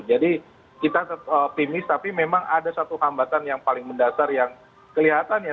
jadi kita optimis tapi memang ada satu hambatan yang paling mendasar yang kelihatannya